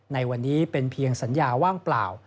ในวันนี้เป็นเพียงสัญญาว่างเปล่า